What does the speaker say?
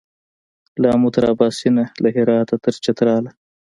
له آمو تر اباسینه له هراته تر چتراله